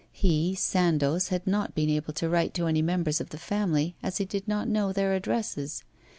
He, Sandoz, had not been able to write to any members of the family, as he did not know their addresses.